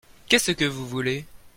Qu'est-ce que vous voulez ?